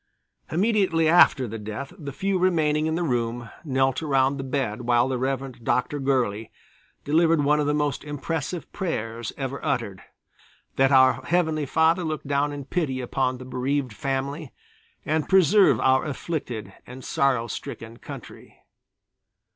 Immediately after death the few remaining in the room knelt around the bed while the Rev. Dr. Gurley delivered one of the most impressive prayers ever uttered, that our Heavenly Father look down in pity upon the bereaved family and preserve our afflicted and sorrow stricken country.